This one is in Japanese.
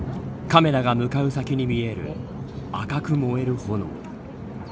カメラが向かう先に見える赤く燃える炎。